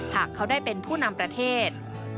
หากเขาได้เป็นผู้นำประเทศ